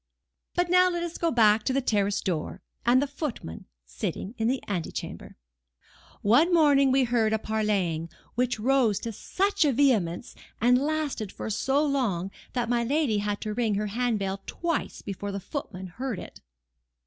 But now let us go back to the terrace door, and the footman sitting in the antechamber. One morning we heard a parleying, which rose to such a vehemence, and lasted for so long, that my lady had to ring her hand bell twice before the footman heard it.